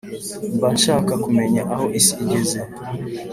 Mba nshaka kumenya aho isi igeze